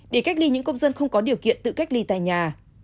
để cách ly những công dân không có điều kiện tự cách ly tại nhà